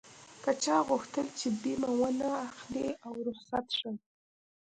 که چا غوښتل چې بيمه و نه اخلي او رخصت شم.